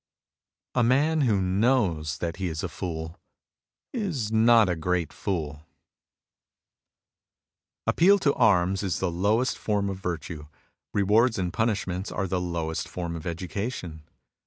A man who knows that he is a fool is not a great fool. Appeal to arms is the lowest form of virtue. Rewards and punishments are the lowest form of education.